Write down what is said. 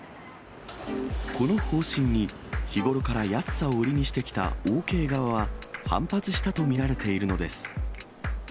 この方針に、日頃から安さを売りにしてきたオーケー側は反発したと見られているのです。